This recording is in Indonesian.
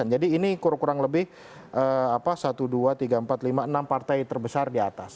jadi ini kurang lebih satu dua tiga empat lima enam partai terbesar di atas